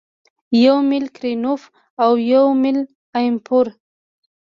یو میل کرینموف او یو میل ایم پور